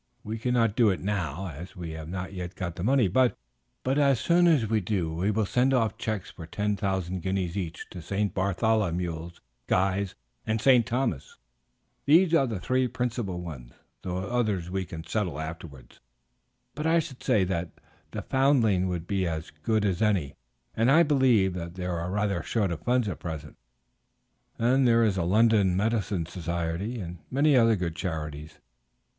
We cannot do it now, as we have not yet got the money, but as soon as we do we will send off checks for 10,000 guineas each to St. Bartholomew's, Guy's, and St. Thomas' those are the three principal ones; the others we can settle afterwards. But I should say that the Foundling would be as good as any, and I believe that they are rather short of funds at present; then there is the London Mendicity Society, and many other good charities.